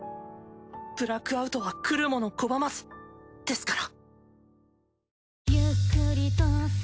ブラックアウトは来るもの拒まずですから！